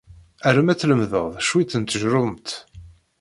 Arem ad tlemded cwiṭ n tjeṛṛumt.